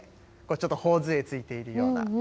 ちょっとほおづえついているような。